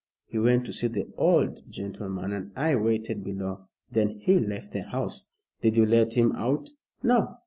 He went to see the old gentleman, and I waited below. Then he left the house " "Did you let him out?" "No.